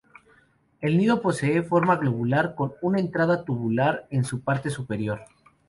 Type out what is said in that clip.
El nido posee forma globular con una entrada tubular en su parte superior.